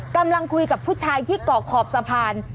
กำลังคุยกับผู้ชายที่เกาะขอบสะพาน